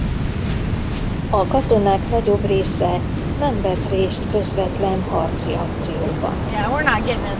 A katonák nagyobb része nem vett részt közvetlen harci akcióban.